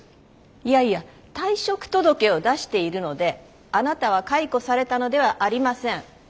いやいや退職届を出しているのであなたは解雇されたのではありません。